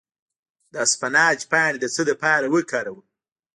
د اسفناج پاڼې د څه لپاره وکاروم؟